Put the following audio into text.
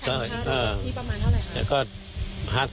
นี่ประมาณเท่าไหร่ครับ